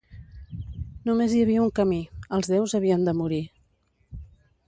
Només hi havia un camí: els déus havien de morir.